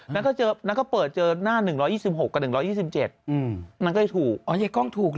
แล้วก็เปิดเจอหน้า๑๒๖กับ๑๒๗